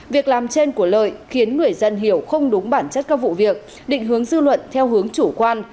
việc làm trên của lợi khiến người dân hiểu không đúng bản chất các vụ việc định hướng dư luận theo hướng chủ quan